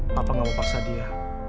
papa gak mau paksa dia